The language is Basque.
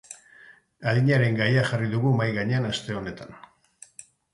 Adinaren gaia jarri dugu mahai gainean aste honetan.